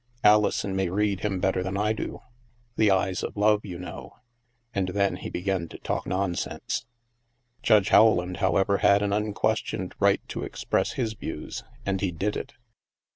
Alison may read him better than I do. The eyes of love, you know, ..." and then he began to talk nonsense. Judge Rowland, however, had an unquestioned right to express his views, and he did it.